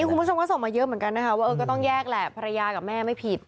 คุณผู้ชมก็ส่งมาเยอะเหมือนกันนะคะว่าก็ต้องแยกแหละภรรยากับแม่ไม่ผิด